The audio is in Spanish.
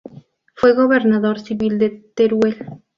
Fue gobernador civil de Teruel.